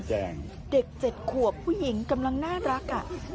เด็ก๗ขวบผู้หญิงกำลังน่ารักอ่ะ